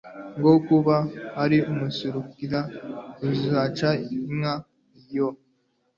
ngo kuba ari ukumusurira kuzacika nka yo